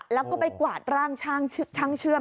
แล้วก็ไปกวาดร่างช่างเชื่อม